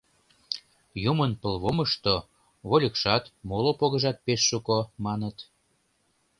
Юмын пылвомышто вольыкшат, моло погыжат пеш шуко, маныт.